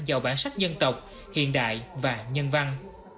giàu bản sắc dân tộc hiện đại và nhân văn